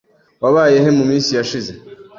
Wabaye he muminsi yashize?